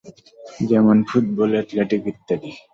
যেমনঃ football, athletic ইত্যাদি।